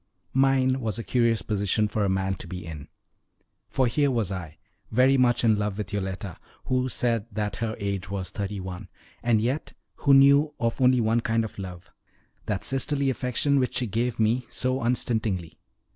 Mine was a curious position for a man to be in; for here was I, very much in love with Yoletta, who said that her age was thirty one, and yet who knew of only one kind of love that sisterly affection which she gave me so unstintingly.